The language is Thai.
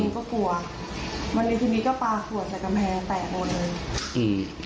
มึงก็กลัววันนี้ทีนี้ก็ปลาส่วนใส่กำแพงแตกหมดเลย